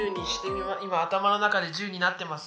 今頭の中で十になってます。